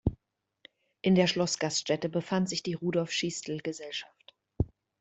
In der Schloss-Gaststätte befand sich die Rudolf-Schiestl-Gesellschaft.